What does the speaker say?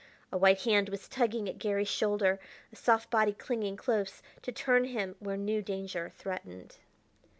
A white hand was tugging at Garry's shoulder, a soft body clinging close, to turn him where new danger threatened.